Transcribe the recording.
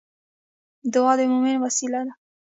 دعا د مومن وسله ده